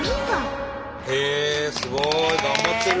すごい！頑張ってる！